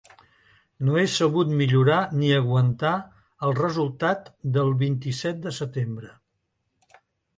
No he sabut millorar ni aguantar el resultat del vint-i-set de setembre.